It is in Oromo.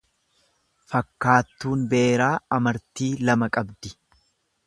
Fakkaattuun beeraa amartii lama qabdi.